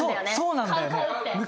そうなんだよね昔。